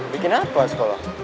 bikin apa sekolah